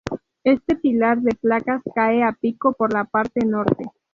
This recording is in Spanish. Este pilar de placas cae a pico por la parte norte.